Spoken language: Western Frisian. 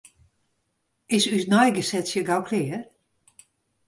Is ús neigesetsje gau klear?